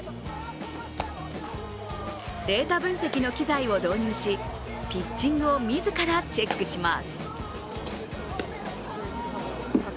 データ分析の機材を導入しピッチングを自らェックします。